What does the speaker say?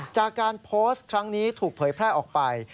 จากการโพสต์ครั้งนี้ถูกเผยแพร่ออกไป